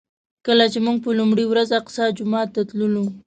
کله چې موږ په لومړي ورځ الاقصی جومات ته تللو.